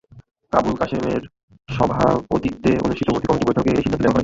আবুল কাসেমের সভাপতিত্বে অনুষ্ঠিত ভর্তি কমিটির বৈঠকে এ সিদ্ধান্ত নেওয়া হয়।